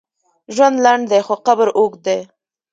ژوند لنډ دی، خو قبر اوږد دی.